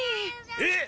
えっ！？